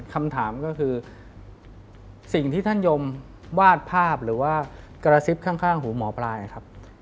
คำถามก็คือสิ่งที่ท่านยมวาดภาพหรือว่ากระซิบข้างหูหมอปลายครับ